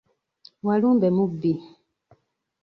Walumbe mubbi!